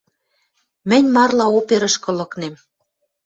Мӹнь марла оперышкы лыкнем